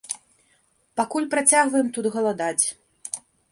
Пакуль працягваем тут галадаць.